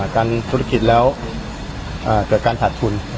ธุรกิจแล้วเกิดการขาดทุน